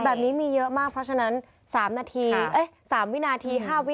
แบบนี้มีเยอะมากเพราะฉะนั้น๓นาที